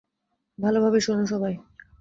ভালভাবে শোন, সবাই।